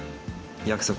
約束。